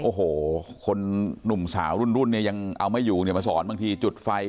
โอ้โหคนหนุ่มสาวรุ่นเนี่ยยังเอาไม่อยู่เนี่ยมาสอนบางทีจุดไฟ